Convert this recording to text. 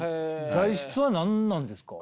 材質は何なんですか？